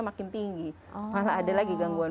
makin tinggi malah ada lagi gangguan